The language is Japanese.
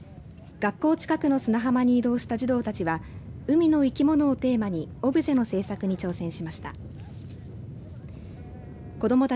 学校近くの砂浜に移動した児童たちは海の生き物をテーマにオブジェの制作に挑戦しました。